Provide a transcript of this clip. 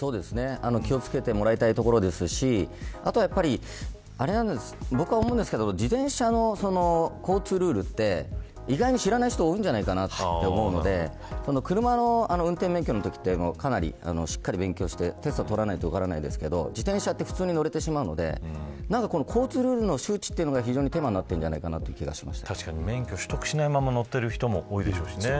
気を付けてもらいたいところですし僕は思うのですが自転車の交通ルールって意外と知らない人が多いんじゃないかなと思うので車の運転免許のときはしっかり勉強してテストを通らないと受からないのですが自転車は普通に乗れてしまうので交通ルールの周知が手間になっているのではないかなと思います。